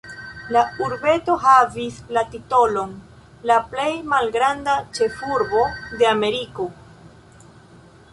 La urbeto havis la titolon "la plej malgranda ĉefurbo de Ameriko".